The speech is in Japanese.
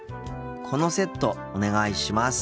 このセットお願いします。